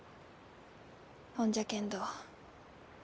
ほんじゃけんど